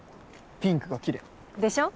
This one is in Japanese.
ピンクがきれい。でしょ。